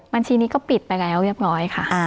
บัญชีนี้ก็ปิดไปแล้วเรียบร้อยค่ะ